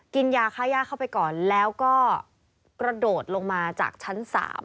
กินยาค่าย่าเข้าไปก่อนแล้วก็กระโดดลงมาจากชั้น๓